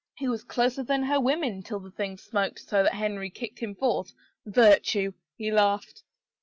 He was closer than her women till the thing smoked so that Henry kicked him forth. Virtue !" He laughed.